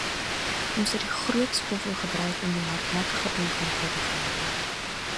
Ons het die groot skoffel gebruik om die hardnekkige onkruid uit te grawe.